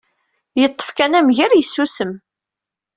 Yeṭṭef kan amger, yessusem.